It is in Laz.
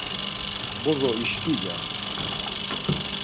Bozo işkiden!”